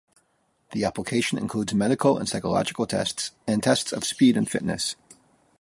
The application includes medical and psychological tests, and tests of speed and fitness.